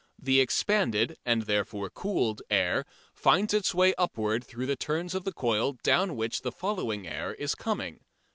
The expanded, and therefore cooled, air finds its way upward through the turns of the coil down which the following air is coming.